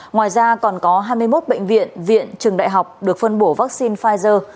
ngoài ra còn có hai mươi một bệnh viện viện trường đại học được phân bổ vaccine pfizer